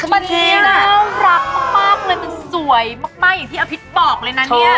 วันนี้น่ารักมากเลยมันสวยมากอย่างที่อภิษบอกเลยนะเนี่ย